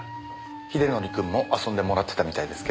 英則くんも遊んでもらってたみたいですけど。